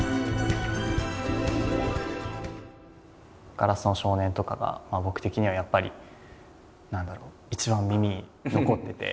「硝子の少年」とかが僕的にはやっぱり何だろう一番耳に残ってて。